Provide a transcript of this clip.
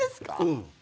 うん。